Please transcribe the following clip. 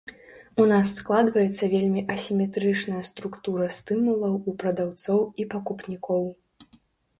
У нас складваецца вельмі асіметрычная структура стымулаў у прадаўцоў і пакупнікоў.